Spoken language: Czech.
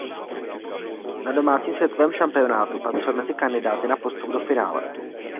Na domácím světovém šampionátu patřil mezi kandidáty na postup do finále.